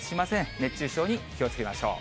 熱中症に気をつけましょう。